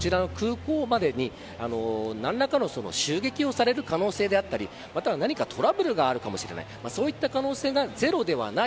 というのも、ビクタン収容所からこちらの空港までに何らかの襲撃をされる可能性であったりまたは何かトラブルがあるかもしれない。